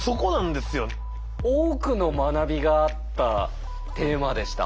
多くの学びがあったテーマでした。